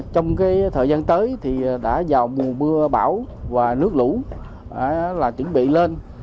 trong thời gian tới thì đã vào mùa mưa bão và nước lũ chuẩn bị lên